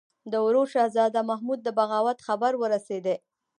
د ورور شهزاده محمود د بغاوت خبر ورسېدی.